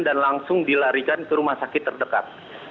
dan langsung dilarikan ke rumah sakit terdekat